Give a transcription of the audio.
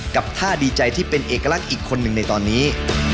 ท่าดีใจที่เป็นเอกลักษณ์อีกคนหนึ่งในตอนนี้